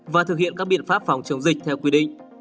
và thực hiện các biện pháp phòng chống dịch theo quy định